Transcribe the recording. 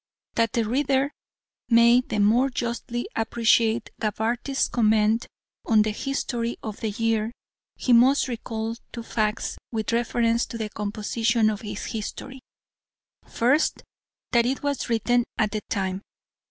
That the reader may the more justly appreciate Gabarty's comment on the history of the year he must recall two facts with reference to the composition of his history first that it was written at the time.